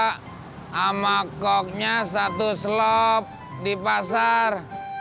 sama koknya satu slop di pasar